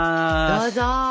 どうぞ。